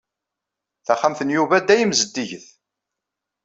Taxxamt n Yuba dayem zeddiget.